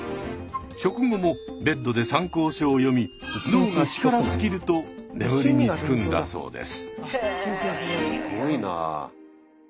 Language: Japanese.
食後もベッドで参考書を読み脳が力尽きると眠りにつくんだそうです。